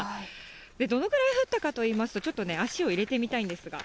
どのくらい降ったかと言いますと、ちょっとね、足を入れてみたいんですが。